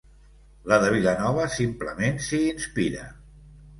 La de Vilanova simplement s'hi inspira.